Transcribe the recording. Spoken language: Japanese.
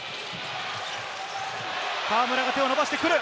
河村が手を伸ばしてくる。